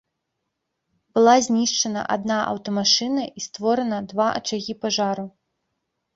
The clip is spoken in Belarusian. Была знішчана адна аўтамашына і створана два ачагі пажару.